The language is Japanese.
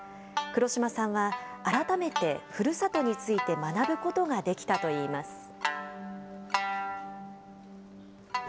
黒島さんは改めてふるさとについて学ぶことができたと言います。